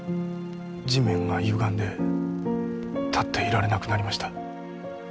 地面が歪んで立っていられなくなりました。